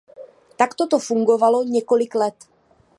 Takto to fungovalo několik let.